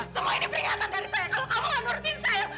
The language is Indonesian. semua ini peringatan dari saya kalau kamu nggak ngerti saya